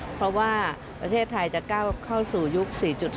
เพราะว่าประเทศไทยจะก้าวเข้าสู่ยุค๔๐